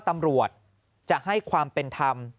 ตำรวจจะให้ความเป็นธรรม